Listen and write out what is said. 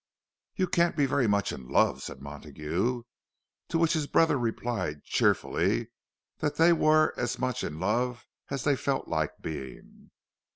"You can't be very much in love," said Montague—to which his brother replied cheerfully that they were as much in love as they felt like being.